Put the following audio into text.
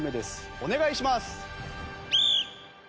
お願いします。